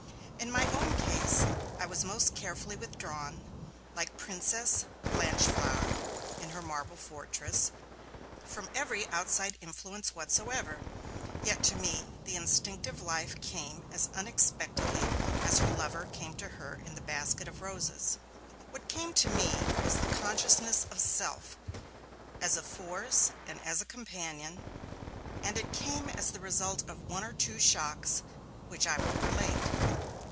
In my own case, I was most carefully withdrawn, like Princess Blanchefleur in her marble fortress, from every outside influence whatever, yet to me the instinctive life came as unexpectedly as her lover came to her in the basket of roses. What came to me was the consciousness of self, as a force and as a companion, and it came as the result of one or two shocks, which I will relate.